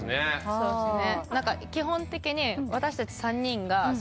そうなんですね。